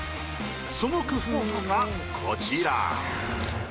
その工夫がこちら。